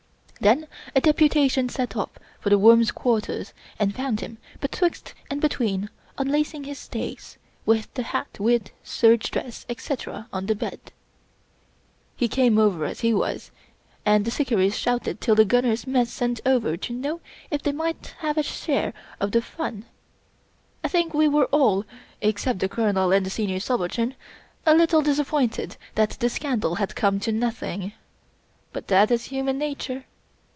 Then a deputation set off for The Worm's quarters and found him, betwixt and between, unlacing his stays, with the hat, wig, serge dress, etc., on the bed. He came over as he was, and the " Shikarris " shouted till the Gunners' Mess sent over to know if they might have a share of the fun. I think we were all, except the Colonel and the Senior Subaltern, a little disappointed that the scandal had come to nothing. But that is human nature.